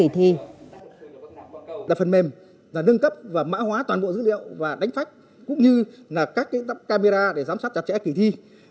trong các kỳ thi